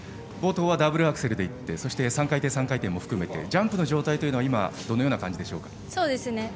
冒頭はダブルアクセルでそして３回転、３回転も含めてジャンプの状態は、今どのような感じでしょうか？